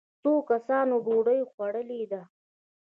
څو کسانو ډوډۍ خوړلې ده.